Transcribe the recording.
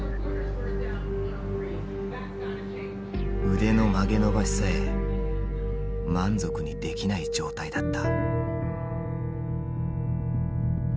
腕の曲げ伸ばしさえ満足にできない状態だった。